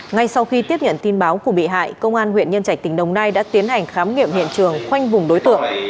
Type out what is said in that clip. ngay sau khi tiếp nhận tin báo của bị hại công an huyện nhân trạch tỉnh đồng nai đã tiến hành khám nghiệm hiện trường khoanh vùng đối tượng